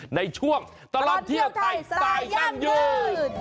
ในช่วงตลอดเที่ยวไทยสายย่ำหยืด